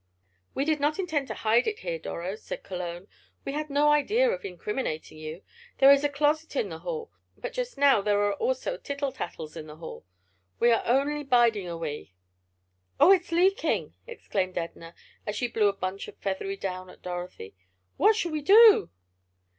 "We did not intend to hide it here, Doro," said Cologne. "We had no idea of incriminating you. There is a closet in the hall. But just now there are also tittle tattles in the hall. We are only biding a wee." "Oh, it's leaking!" exclaimed Edna, as she blew a bunch of feathery down at Dorothy. "What shall we do?"